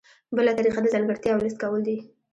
بله طریقه د ځانګړتیاوو لیست کول دي.